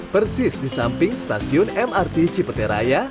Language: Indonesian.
persis di samping stasiun mrt cipete raya